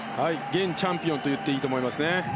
現チャンピオンといっていいと思います。